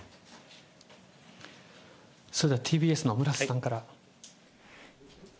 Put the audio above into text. それではＴＢＳのむらせさんから。